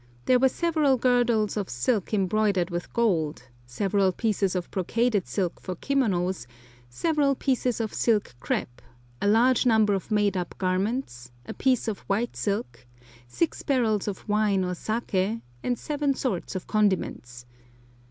There were several girdles of silk embroidered with gold, several pieces of brocaded silk for kimonos, several pieces of silk crêpe, a large number of made up garments, a piece of white silk, six barrels of wine or saké, and seven sorts of condiments.